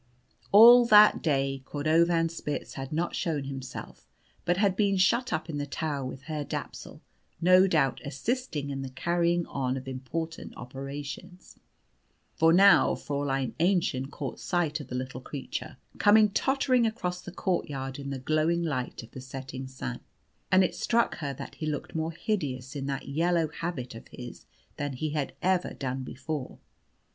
All that day Cordovanspitz had not shown himself, but had been shut up in the tower with Herr Dapsul, no doubt assisting in the carrying on of important operations. But now Fräulein Aennchen caught sight of the little creature coming tottering across the courtyard in the glowing light of the setting sun. And it struck her that he looked more hideous in that yellow habit of his than he had ever done before.